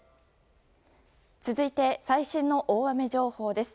続いて、最新の大雨情報です。